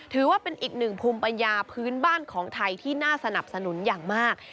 ถือว่าเป็นอีกหนึ่งภูมิปัญญาพื้นบ้านของไทยที่น่าสนับสนุนอย่างมาก